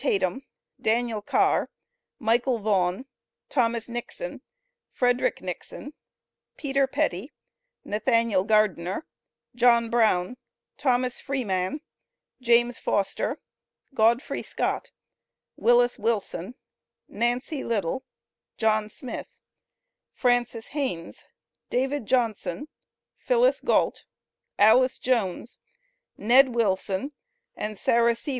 ] ALAN TATUM, DANIEL CARR, MICHAEL VAUGHN, THOMAS NIXON, FREDERICK NIXON, PETER PETTY, NATHANIEL GARDENER, JOHN BROWN, THOMAS FREEMAN, JAMES FOSTER, GODFREY SCOTT, WILLIS WILSON, NANCY LITTLE, JOHN SMITH, FRANCIS HAINES, DAVID JOHNSON, PHILLIS GAULT, ALICE JONES, NED WILSON, and SARAH C.